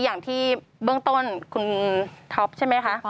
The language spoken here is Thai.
อย่างที่เบื้องต้นคุณท็อปใช่ไหมคะ